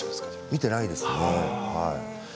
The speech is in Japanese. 見ていないですね。